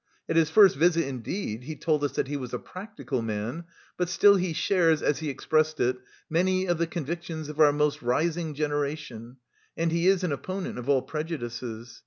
At his first visit, indeed, he told us that he was a practical man, but still he shares, as he expressed it, many of the convictions 'of our most rising generation' and he is an opponent of all prejudices.